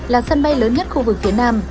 là sân bay lớn nhất khu vực phía nam